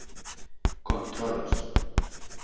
kontrolos